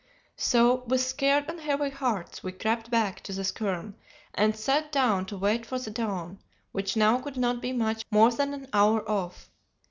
"So with scared and heavy hearts we crept back to the skerm, and sat down to wait for the dawn, which now could not be much more than an hour off.